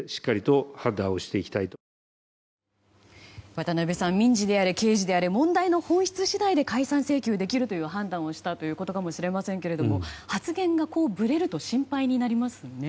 渡辺さん民事であれ刑事であれ問題の本質次第で解散請求できる判断をしたということかもしれませんけど発言がぶれると心配になりますね。